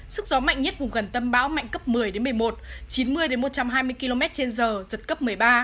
sức gió mạnh nhất vùng gần tâm bão mạnh cấp một mươi một mươi một chín mươi một trăm hai mươi km trên giờ giật cấp một mươi ba